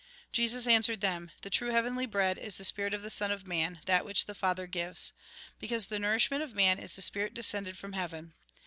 Jesus answered them :" The true heavenly bread is the spirit of the Son of Man, that which the Father gives. Because the nourishment of man is the spirit descended from heaven.